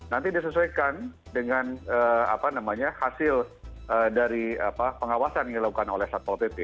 nanti disesuaikan dengan hasil dari pengawasan yang dilakukan oleh satpol pp